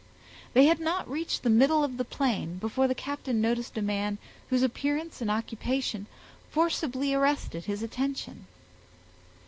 They had not reached the middle of the plain, before the captain noticed a man whose appearance and occupation forcibly arrested his attention.